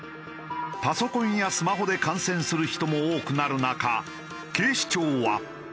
パソコンやスマホで観戦する人も多くなる中警視庁は。